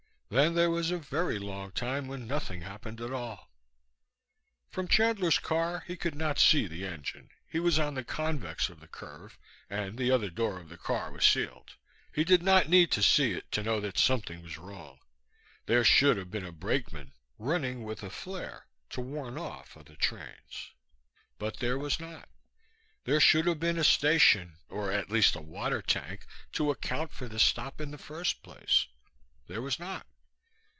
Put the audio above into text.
Then there was a very long time when nothing happened at all. From Chandler's car he could not see the engine. He was on the convex of the curve, and the other door of the car was sealed. He did not need to see it to know that something was wrong. There should have been a brakeman running with a flare to ward off other trains; but there was not. There should have been a station, or at least a water tank, to account for the stop in the first place. There was not.